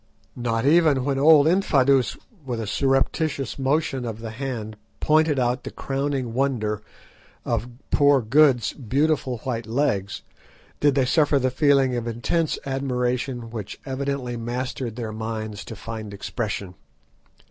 Not even when old Infadoos with a surreptitious motion of the hand pointed out the crowning wonder of poor Good's "beautiful white legs," did they suffer the feeling of intense admiration which evidently mastered their minds to find expression.